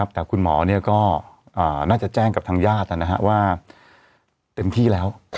แต่คุณหมอก็น่าจะแจ้งกับทางญาติว่าเต็มที่แล้ว